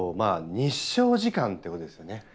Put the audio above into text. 日照時間ってことですよね